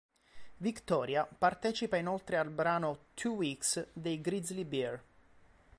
Victoria partecipa inoltre al brano "Two Weeks" dei Grizzly Bear.